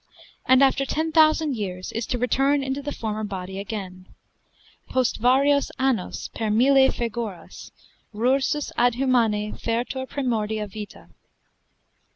and after ten thousand years is to return into the former body again, ———post varios annos, per mille figuras, Rursus ad humanae fertur primordia vitae.